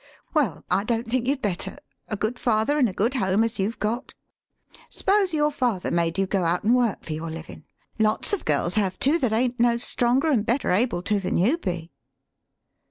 "Well, I don't think you'd better, a good father an' a good home as you've got. S'pose your father made you go out an' work for your 158 THE SHORT STORY livin'? Lots of girls have to that ain't no stronger an' better able to than you be."